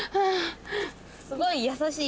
すごい優しい。